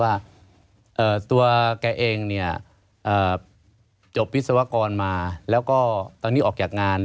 ว่าตัวแกเองเนี่ยจบวิศวกรมาแล้วก็ตอนนี้ออกจากงาน